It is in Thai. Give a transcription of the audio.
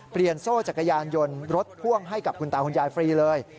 โซ่จักรยานยนต์รถพ่วงให้กับคุณตาคุณยายฟรีเลย